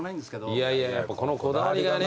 いやいやいやこのこだわりがね。